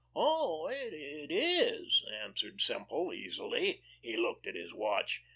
"Oh, it is," answered Semple easily. He looked at his watch.